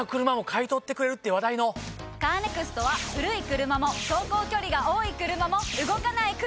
カーネクストは古い車も走行距離が多い車も動かない車でも。